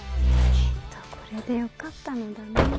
きっとこれでよかったのだの。